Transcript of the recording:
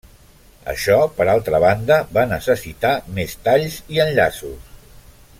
Això, per altra banda, va necessitar més talls i enllaços.